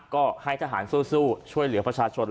ก็ให้ทหารสู้ช่วยเหลือประชาชน